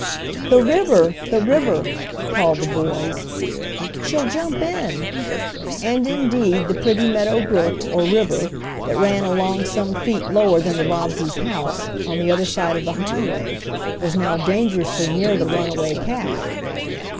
"The river! The river!" called the boys "She'll jump in!" and indeed the pretty Meadow Brook, or river, that ran along some feet lower than the Bobbseys' house, on the other side of the highway, was now dangerously near the runaway calf.